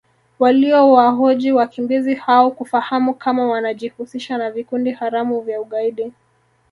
waliwahoji wakimbizi hao kufahamu kama wanajihusisha na vikundi haramu vya ugaidi